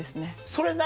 それ何？